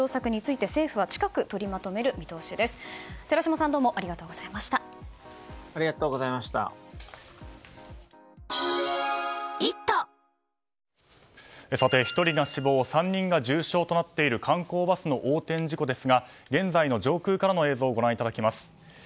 さて、１人が死亡３人が重傷となっている観光バスの横転事故ですが現在の上空からの映像をご覧いただきます。